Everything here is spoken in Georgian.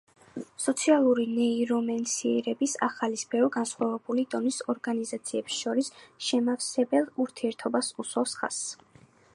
სოციალური ნეირომეცნიერების ახალი სფერო განსხვავებული დონის ორგანიზაციებს შორის შემავსებელ ურთიერთობას უსვამს ხაზს.